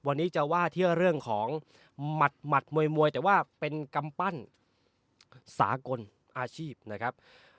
วันนี้จะว่าที่เรื่องของหมัดมวยมวยแต่ว่าเป็นกำปั้นสากลอาชีพนะครับ